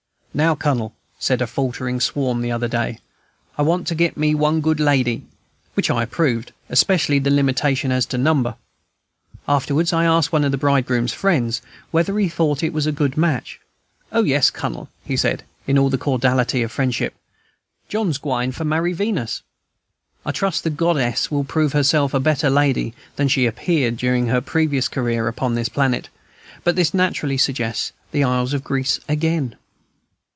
"Now, Cunnel," said a faltering swam the other day, "I want for get me one good lady," which I approved, especially the limitation as to number. Afterwards I asked one of the bridegroom's friends whether he thought it a good match. "O yes, Cunnel," said he, in all the cordiality of friendship, "John's gwine for marry Venus." I trust the goddess will prove herself a better lady than she appeared during her previous career upon this planet. But this naturally suggests the isles of Greece again.